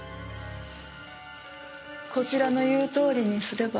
こちらの言うとおりにすれば。